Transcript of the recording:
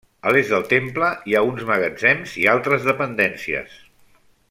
A l'est del temple, hi ha uns magatzems i altres dependències.